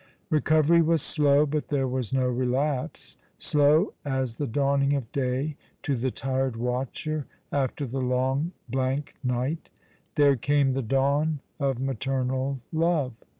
Eecovery was slow, but there was no relapse. Slow as the dawning of day to the tired watcher, after the long, blank night, there came the dawn cf maternal love.